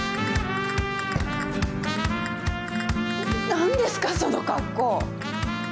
何ですかその格好！？